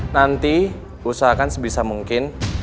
nanti usahakan sebisa mungkin